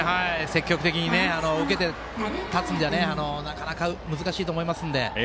積極的に受けて立つのはなかなか難しいと思うので。